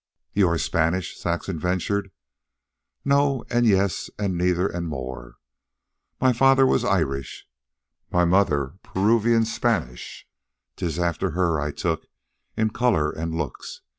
"You are Spanish?" Saxon ventured. "No, and yes, and neither, and more. My father was Irish, my mother Peruvian Spanish. 'Tis after her I took, in color and looks.